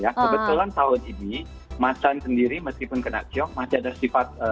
ya kebetulan tahun ini macan sendiri meskipun kena kiok masih ada sifat